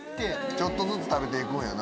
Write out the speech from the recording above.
ちょっとずつ食べて行くんやな。